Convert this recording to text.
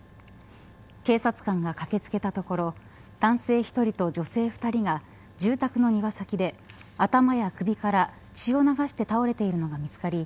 警察官が駆け付けたところ男性１人と女性２人が住宅の庭先で頭や首から血を流して倒れているのが見つかり